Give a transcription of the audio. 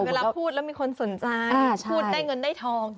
เวลาพูดแล้วมีคนสนใจพูดได้เงินได้ทอง